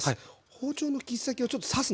包丁の切っ先をちょっと刺すの。